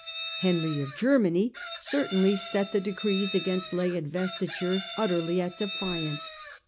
Henry of Germany certainly set the decrees against lay investiture utterly at defiance.